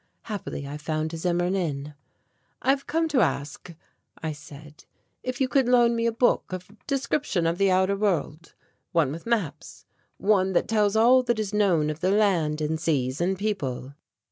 Happily I found Zimmern in. "I have come to ask," I said, "if you could loan me a book of description of the outer world, one with maps, one that tells all that is known of the land and seas and people."